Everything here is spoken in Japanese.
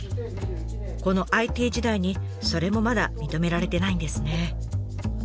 このＩＴ時代にそれもまだ認められてないんですね。